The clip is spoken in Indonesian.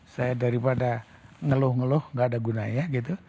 saya daripada ngeluh ngeluh gak ada gunanya gitu